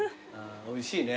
おいしいね。